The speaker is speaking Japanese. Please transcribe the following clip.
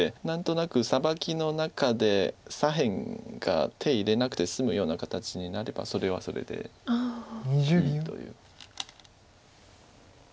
何となくサバキの中で左辺が手入れなくて済むような形になればそれはそれでいいという。